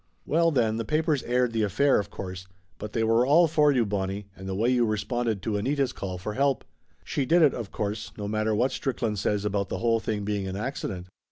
Well then, the papers aired the affair, of course, but they were all for you, Bonnie, and the way you responded to Anita's call for help. She did it, of course, no mat ter what Strickland says about the whole thing being an accident."